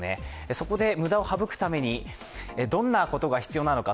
そこで無駄を省くために、どんなことが必要なのか。